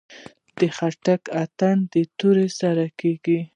د خټک اتن د تورې سره کیږي.